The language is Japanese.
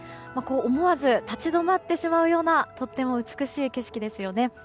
思わず立ち止まってしまうようなとても美しい景色ですよね。